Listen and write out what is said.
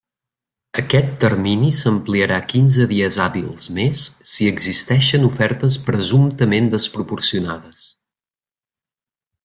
Aquest termini s'ampliarà quinze dies hàbils més si existeixen ofertes presumptament desproporcionades.